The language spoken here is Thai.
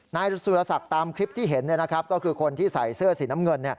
นายสุรศักดิ์ตามคลิปที่เห็นก็คือคนที่ใส่เสื้อสีน้ำเงิน